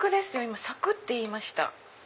今サクっていいました。